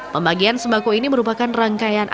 pembagian sembako ini merupakan rangkaian